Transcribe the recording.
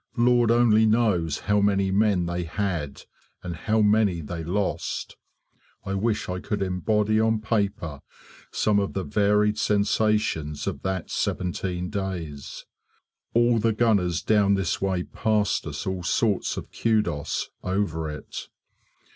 Lord only knows how many men they had, and how many they lost. I wish I could embody on paper some of the varied sensations of that seventeen days. All the gunners down this way passed us all sorts of 'kudos' over it.